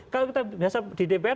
kalau kita biasa di dprd